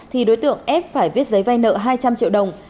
thì đối tượng ép phải viết giấy vay nợ hai trăm linh triệu đồng